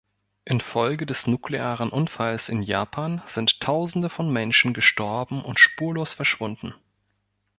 Infolge des nuklearen Unfalls in Japan sind Tausende von Menschen gestorben und spurlos verschwunden.